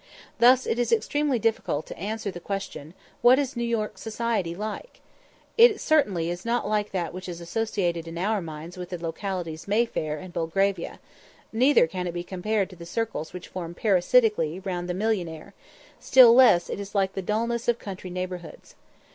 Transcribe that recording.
Thus it is extremely difficult to answer the question, "What is New York society like?" It certainly is not like that which is associated in our minds with the localities May Fair and Belgravia; neither can it be compared to the circles which form parasitically round the millionaire; still less is it like the dulness of country neighbourhoods.